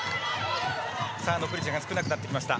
残り時間が少なくなってきました。